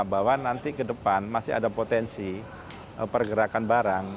bahwa nanti ke depan masih ada potensi pergerakan barang